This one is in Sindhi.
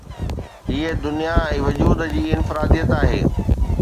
هيءَ دنيا ۽ وجود جي انفراديت آهي.